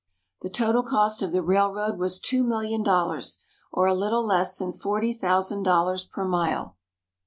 The total cost of the railroad was two million dollars, or a little less than forty thousand dollars per mile.